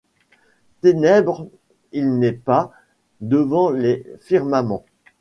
Ténèbres, il n’est pas, devant les firmaments